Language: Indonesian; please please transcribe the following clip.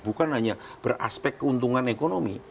bukan hanya beraspek keuntungan ekonomi